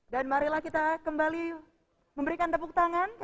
dan marilah kita kembali memberikan tepuk tangan